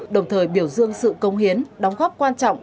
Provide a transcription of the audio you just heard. đồng thời biểu dương sự công hiến đóng góp quan trọng